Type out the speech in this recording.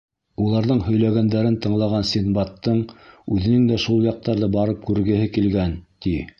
Уларҙың һөйләгәндәрен тыңлаған Синдбадтың үҙенең дә шул яҡтарҙы барып күргеһе килгән, ти.